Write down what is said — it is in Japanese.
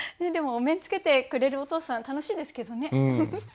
でもお面つけてくれるお父さん楽しいですけどね。